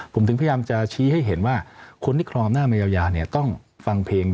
ผมถึงพยายามจะชี้ให้เห็นว่าคนที่ครองหน้ามายาวเนี่ยต้องฟังเพลง